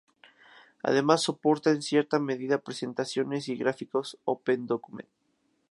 Además soporta en cierta medida presentaciones y gráficos OpenDocument.